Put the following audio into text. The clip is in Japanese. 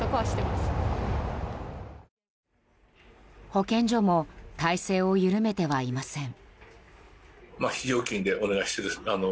保健所も態勢を緩めてはいません。